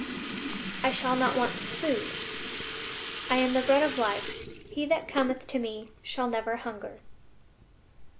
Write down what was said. I shall not want food. "I am the bread of life. He that cometh to Me shall never hunger."